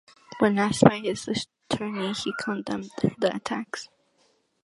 When asked by his attorney, he condemned the attacks.